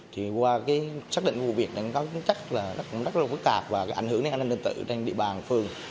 thì qua xác định vụ việc nó cũng chắc là nó cũng rất là phức tạp và ảnh hưởng đến an ninh tân tự trên địa bàn phường